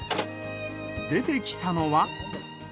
出てきたのは。